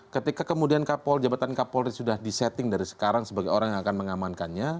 ketika kemudian jabatan kapolri sudah disetting dari sekarang sebagai orang yang akan mengamankannya